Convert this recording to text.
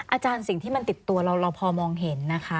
อาจารย์สิ่งที่มันติดตัวเราเราพอมองเห็นนะคะ